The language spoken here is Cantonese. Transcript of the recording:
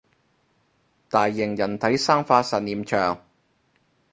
大型人體生化實驗場